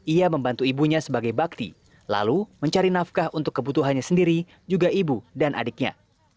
ia membantu ibunya sebagai bakti lalu mencari nafkah untuk kebutuhannya sendiri juga ibu dan adiknya